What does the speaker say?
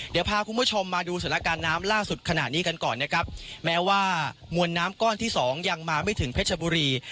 เดี๋ยวพาคุณผู้ชมมาดูสถานการณ์น้ำล่าสุดขณะนี้กันก่อนนะครับแม้ว่ามวลน้ำก้อนที่สองยังมาไม่ถึงเพชรบุรี